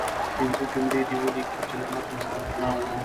پنځه جملې دې ولیکئ چې له متن سره تړاو ولري.